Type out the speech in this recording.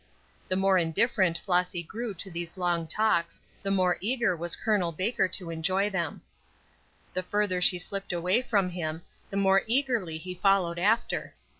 The more indifferent Flossy grew to these long talks the more eager was Col. Baker to enjoy them. The further she slipped away from him, the more eagerly he followed after.